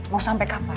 mau sampai kapan